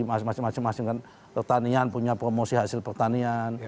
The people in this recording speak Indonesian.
masing masing kan pertanian punya promosi hasil pertanian